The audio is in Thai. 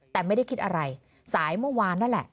แต่ไม่ได้คิดอะไรสายเมื่อวานนั่นแหละ